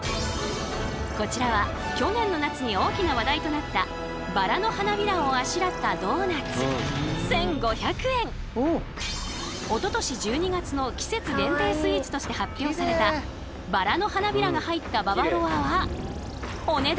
こちらは去年の夏に大きな話題となったバラの花びらをあしらったおととし１２月の季節限定スイーツとして発表されたバラの花びらが入ったババロアはお値段